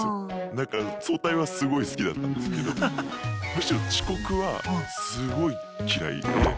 だから早退はすごい好きだったんですけどむしろ遅刻はすごい嫌いで。